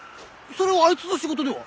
それはあいつの仕事では？